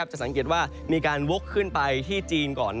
จะสังเกตว่ามีการวกขึ้นไปที่จีนก่อน